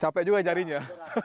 capek juga jarinya